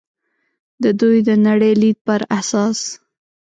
د دوی د نړۍ لید پر اساس.